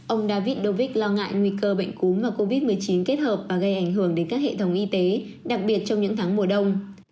ông david dovick lo ngại nguy cơ bệnh cúm mà covid một mươi chín kết hợp và gây ảnh hưởng đến các hệ thống y tế đặc biệt trong những tháng mùa đông